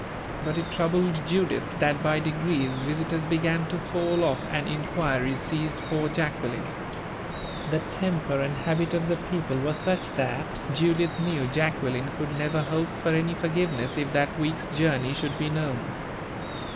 But it troubled Judith that by degrees visitors began to fall off and inquiries ceased for Jacqueline. The temper and habit of the people were such that Judith knew Jacqueline could never hope for any forgiveness if that week's journey should be known.